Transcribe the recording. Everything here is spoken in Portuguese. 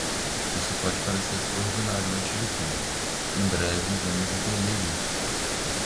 Isso pode parecer extraordinário antes de tudo; em breve vamos entender isso.